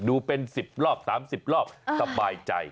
ดูเป็น๑๐รอบ๓๐รอบสบายใจ